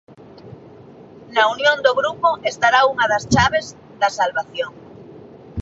Na unión do grupo estará unha das chaves da salvación.